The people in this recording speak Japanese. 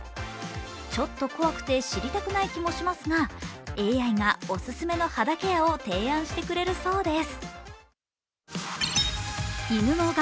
ちょっと怖くて知りたくない気もしますがＡＩがオススメの肌ケアを提案してくれるそうです。